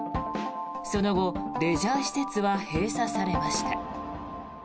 その後レジャー施設は閉鎖されました。